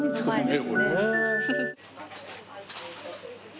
はい。